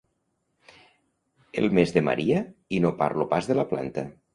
El mes de Maria, i no parlo pas de la planta.